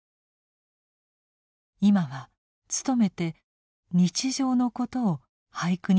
今は努めて日常のことを俳句に詠もうとしています。